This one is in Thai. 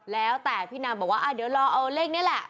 แล้วแต่พี่นางบอกว่าเดี๋ยวรอเอาเลขนี้แหละ